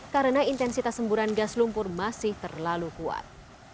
karena intensitas semburan gas lumpur masih terlalu kuat